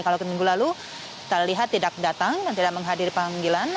kalau ke minggu lalu kita lihat tidak datang dan tidak menghadiri panggilan